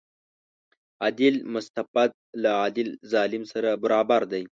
عادل مستبد له عادل ظالم سره برابر دی.